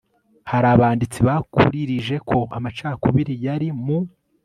hari abanditsi bakuririje ko amacakubiri yari mu